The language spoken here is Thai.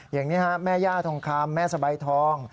อย่างนี้ฮะแม่ย่าทองคำแม่สบายทอง